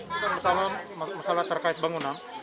kita masalah terkait bangunan